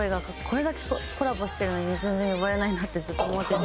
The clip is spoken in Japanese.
これだけコラボしてるのに全然呼ばれないなってずっと思ってて。